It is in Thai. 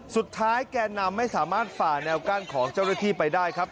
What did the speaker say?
แกนนำไม่สามารถฝ่าแนวกั้นของเจ้าหน้าที่ไปได้ครับ